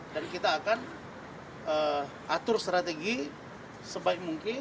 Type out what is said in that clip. dan kita akan atur strategi sebaik mungkin